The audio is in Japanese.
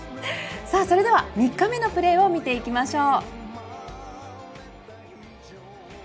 それでは３日目のプレーを見ていきましょう。